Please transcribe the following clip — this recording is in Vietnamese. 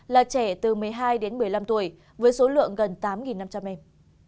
là trẻ từ một mươi hai đến một mươi năm tuổi với số lượng gần tám năm trăm linh em